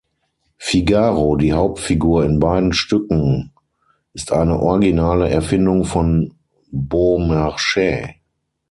Figaro, die Hauptfigur in beiden Stücken, ist eine originale Erfindung von Beaumarchais.